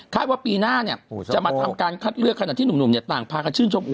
ว่าปีหน้าเนี่ยจะมาทำการคัดเลือกขณะที่หนุ่มต่างพากันชื่นชม